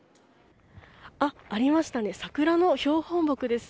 ありましたね、桜の標本木です。